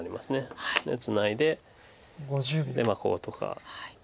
でツナいでこうとか。